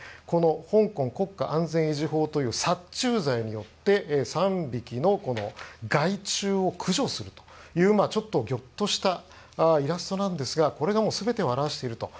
香港国家安全維持法という殺虫剤によって３匹の害虫を駆除するという、ちょっとギョッとしたイラストなんですがこれがもう全てを表していると。